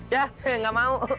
ya gak mau